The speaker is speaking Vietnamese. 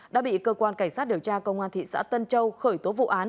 đã bị cơ quan cảnh sát điều tra công an thị xã tân châu khởi tố vụ án